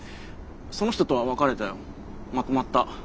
その人とは別れたよまとまった。